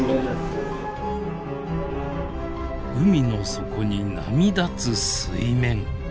海の底に波立つ水面。